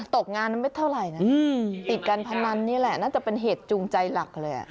ตกงานไม่เท่าไหร่นะติดการพนันนี่แหละน่าจะเป็นเหตุจูงใจหลักเลย